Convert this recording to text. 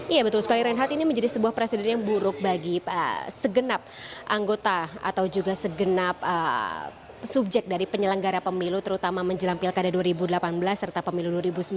iya betul sekali reinhardt ini menjadi sebuah presiden yang buruk bagi segenap anggota atau juga segenap subjek dari penyelenggara pemilu terutama menjelang pilkada dua ribu delapan belas serta pemilu dua ribu sembilan belas